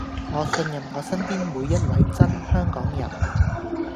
我信任我身邊每一位真香港人